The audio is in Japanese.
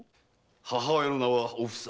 母親の名は「おふさ」。